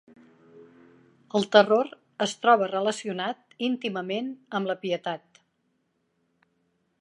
El terror es troba relacionat íntimament amb la pietat.